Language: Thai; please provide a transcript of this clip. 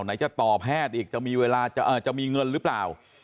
ก็จะตาแพทย์อีกจะมีเงินหรือเปล่า